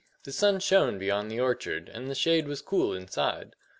The sun shone beyond the orchard, and the shade was cool inside.